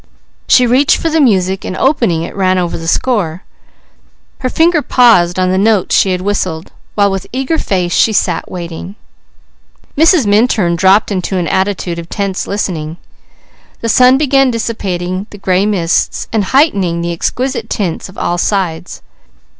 She reached for the music and opening it ran over the score. Her finger paused on the notes she had whistled, while with eager face she sat waiting. Mrs. Minturn dropped into an attitude of tense listening. The sun began dissipating the gray mists and heightening the exquisite tints on all sides.